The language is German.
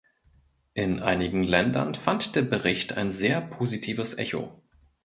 In einigen Ländern fand der Bericht ein sehr positives Echo.